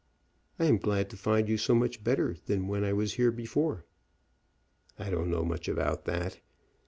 "I am glad to find you so much better than when I was here before." "I don't know much about that.